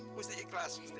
kurang aprah coba